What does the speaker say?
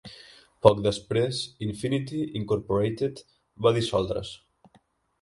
Poc després, Infinity Incorporated va dissoldre's.